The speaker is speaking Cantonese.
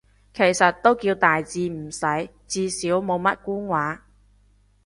其實都叫大致啱使，至少冇乜官話